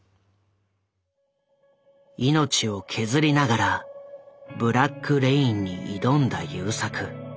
命を削りながら「ブラック・レイン」に挑んだ優作。